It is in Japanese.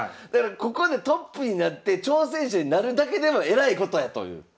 だからここでトップになって挑戦者になるだけでもえらいことやという。